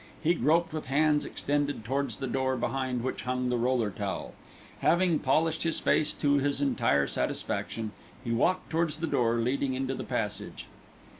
He groped with hands extended towards the door behind which hung the roller towel. Having polished his face to his entire satisfaction, he walked towards the door leading into the passage.